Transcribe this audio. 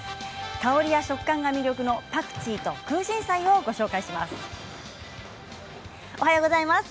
香りや食感が魅力のパクチーとクウシンサイをご紹介します。